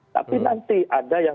tapi nanti ada yang